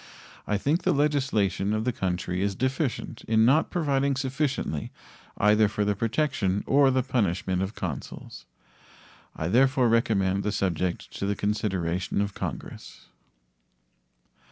I think the legislation of the country is deficient in not providing sufficiently either for the protection or the punishment of consuls. I therefore recommend the subject to the consideration of Congress.